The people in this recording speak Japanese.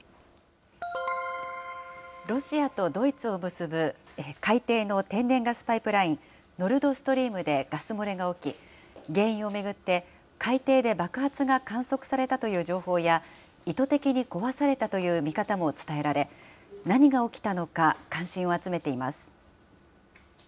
ロシアとドイツを結ぶ海底の天然ガスパイプライン、ノルドストリームでガス漏れが起き、原因を巡って、海底で爆発が観測されたという情報や、意図的に壊されたという見方も伝えられ、何が起きたのか、関心を集めています。